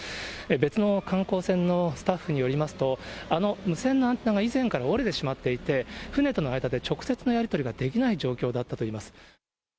別の観光船のスタッフによりますと、あの無線のアンテナが以前から折れてしまっていて、船との間で直接のやり取りができない状況だったといいます。